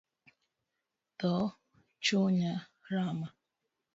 Dho chunya rama